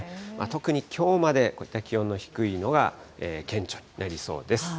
特に、きょうまでこういった気温の低いのが顕著になりそうです。